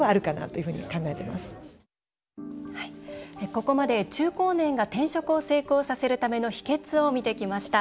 ここまで中高年が転職を成功させるための秘けつを見てきました。